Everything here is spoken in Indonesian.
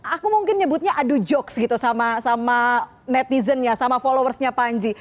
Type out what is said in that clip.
aku mungkin nyebutnya adujokes gitu sama netizen sama followersnya panji